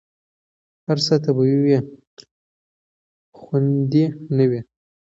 هر څه طبیعي وي، خوندي نه وي.